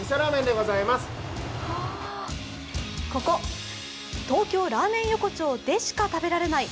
ここ東京ラーメン横丁でしか食べられない